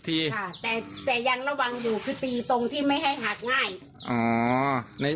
แต่ยังระวังอยู่คือตีตรงที่ไม่ให้หากง่าย